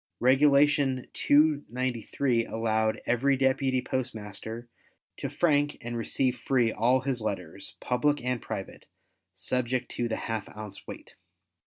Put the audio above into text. Regulation 293, allowed every deputy postmaster to frank and receive free all his letters, public and private, subject to the ½ ounce weight.